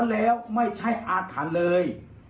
แล้วไม่ใช่อาถรรพ์เลย